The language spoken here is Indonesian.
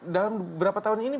dalam beberapa tahun ini